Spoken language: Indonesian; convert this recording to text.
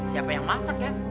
siapa yang masak ya